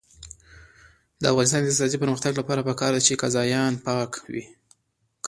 د افغانستان د اقتصادي پرمختګ لپاره پکار ده چې قاضیان پاک وي.